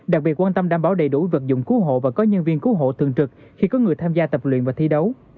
đặc biệt quan tâm đảm bảo đầy đủ vật dụng cứu hộ và có nhân viên cứu hộ thường trực khi có người tham gia tập luyện và thi đấu